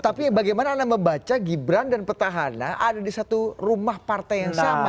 tapi bagaimana anda membaca gibran dan petahana ada di satu rumah partai yang sama